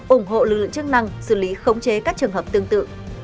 ủng hộ lực lượng chức năng xử lý khống chế các trường hợp tương tự